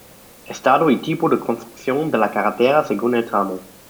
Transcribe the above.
Estado y tipo de construcción de la carretera según el tramo.